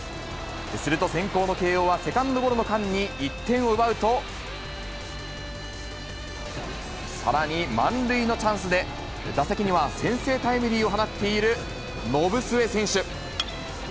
すると先攻の慶応はセカンドゴロの間に１点を奪うと、さらに満塁のチャンスで、打席には先制タイムリーを放っている延末選手。